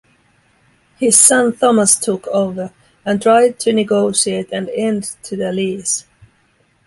His son Thomas took over, and tried to negotiate an end to the lease.